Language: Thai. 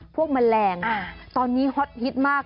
พวกแมลงอ่ะตอนนี้ฮอตฮิตมาก